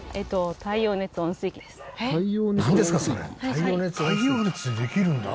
太陽熱でできるんだ。